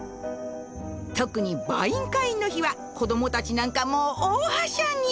特にバインカインの日は子供たちなんかもう大はしゃぎ！